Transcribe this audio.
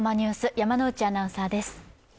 山内アナウンサーです。